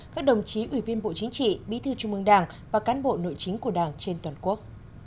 các đồng chí ủy viên bộ chính trị bí thư trung mương đảng và cán bộ nội chính của đảng trên toàn quốc